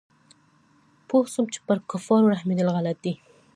پوه سوم چې پر کفارو رحمېدل غلط دي.